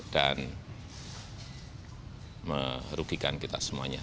dan merugikan kita semuanya